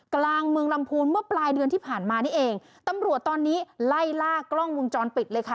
กลางเมืองลำพูนเมื่อปลายเดือนที่ผ่านมานี่เองตำรวจตอนนี้ไล่ล่ากล้องวงจรปิดเลยค่ะ